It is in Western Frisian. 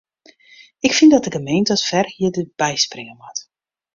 Ik fyn dat de gemeente as ferhierder byspringe moat.